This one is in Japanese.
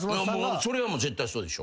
それはもう絶対そうでしょ。